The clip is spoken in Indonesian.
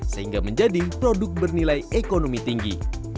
sehingga menjadi produk bernilai ekonomi tinggi